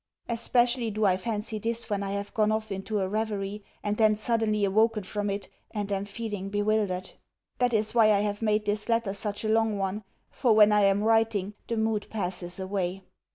Especially do I fancy this when I have gone off into a reverie, and then suddenly awoken from it, and am feeling bewildered. That is why I have made this letter such a long one; for, when I am writing, the mood passes away.